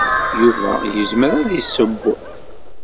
Yuba yezmer ad iseww.